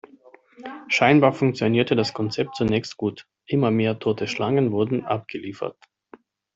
Scheinbar funktionierte das Konzept zunächst gut: Immer mehr tote Schlangen wurden abgeliefert.